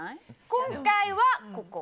今回はここ。